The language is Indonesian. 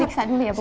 periksa dulu ya bu